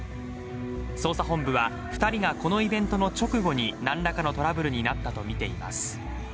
捜査本部は２人がこのイベントの直後に何らかのトラブルになったとみています。